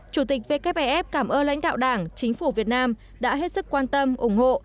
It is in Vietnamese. chủ tịch wfef cảm ơn lãnh đạo đảng chính phủ việt nam đã hết sức quan tâm ủng hộ